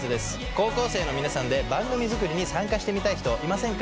高校生の皆さんで番組作りに参加してみたい人いませんか？